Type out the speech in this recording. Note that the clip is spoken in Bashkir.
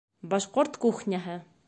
Башҡорт кухняһы